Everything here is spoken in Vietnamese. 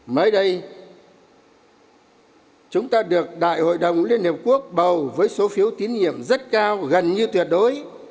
mới đây chúng ta được đại hội đồng liên hiệp quốc bầu với số phiếu tín nhiệm rất cao gần như tuyệt đối